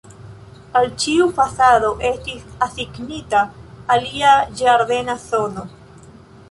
Al ĉiu fasado estis asignita alia ĝardena zono.